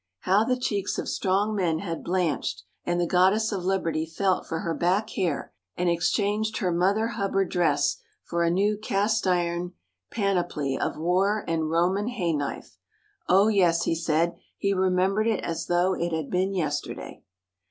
How the cheeks of strong men had blanched and the Goddess of Liberty felt for her back hair and exchanged her Mother Hubbard dress for a new cast iron panoply of war and Roman hay knife. Oh, yes, he said, he remembered it as though it had been yesterday.